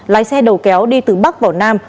lái xe đầu kéo đi từ bắc vào nam